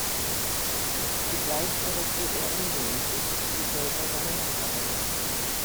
Zugleich provoziert er unwillentlich die Völker seiner Nachbarländer.